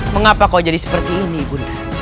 mengapa kau jadi seperti ini ibu bunda